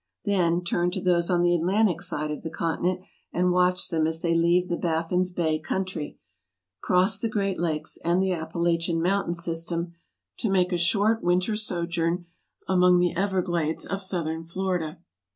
Then turn to those on the Atlantic side of the continent and watch them as they leave the Baffin's Bay country, cross the great lakes and the Appalachian mountain system to make a short winter sojourn among the everglades of southern Florida.